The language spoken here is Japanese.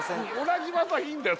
同じ技いいんだよ